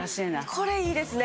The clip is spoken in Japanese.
これいいですね。